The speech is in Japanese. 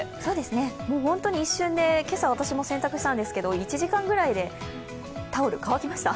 本当に一瞬で今朝、私も洗濯したんですけれども１時間くらいでタオル、乾きました。